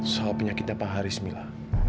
soal penyakitnya pak haris milla